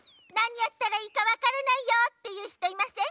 なにやったらいいかわからないよっていうひといません？